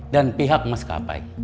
dan pihak mas kapai